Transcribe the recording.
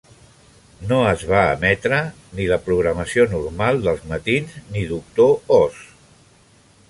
No es va emetre ni la programació normal dels matins ni 'Doctor Oz'.